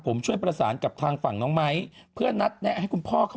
ผมช่วยประสานกับทางฝั่งน้องไม้เพื่อนัดแนะให้คุณพ่อเขา